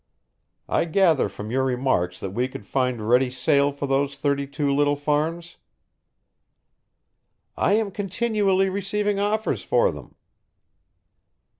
I gather from your remarks that we could find ready sale for those thirty two little farms?" "I am continually receiving offers for them."